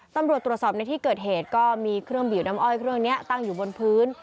ตำรวจตรวจสอบในที่เกิดเหตุก็มีเครื่องบิวน้ำอ้อยเครื่องนี้ตั้งอยู่บนพื้น